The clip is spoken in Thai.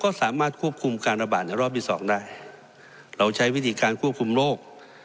ก็สามารถควบคุมการระบาดในรอบที่สองได้เราใช้วิธีการควบคุมโรค